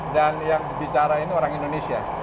dan yang bicara ini orang indonesia